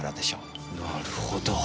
なるほど。